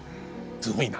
すごいな。